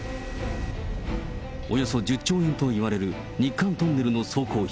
およそ１０兆円といわれる日韓トンネルの総工費。